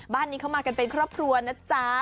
บ้านนี้เข้ามากันเป็นครอบครัวนะจ๊ะ